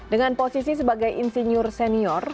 dengan posisi sebagai insinyur senior